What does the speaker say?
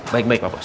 baik baik pak bos